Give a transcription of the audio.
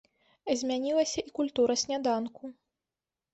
Змянілася і культура сняданку.